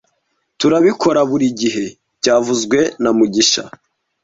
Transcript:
Turabikora buri gihe byavuzwe na mugisha